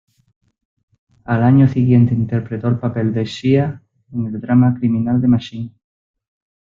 Al año siguiente interpretó el papel de Thea en el drama criminal "Machine".